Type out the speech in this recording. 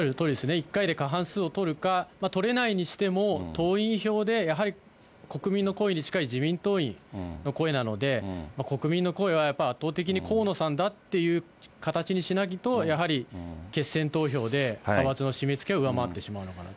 １回で過半数を取るか、取れないにしても、党員票でやはり、国民の声に近い自民党員の声なので、国民の声はやっぱり圧倒的に河野さんだっていう形にしないと、やはり決選投票で派閥の締めつけを上回ってしまうと。